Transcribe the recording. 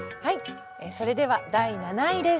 それでは第７位です。